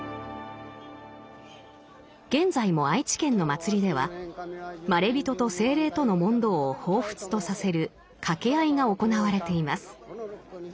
現在も愛知県の祭りではまれびとと精霊との問答を彷彿とさせる掛け合いが行われています。